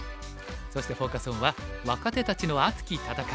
そしてフォーカス・オンは「若手たちの熱き戦い！